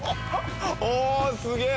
おおすげえ！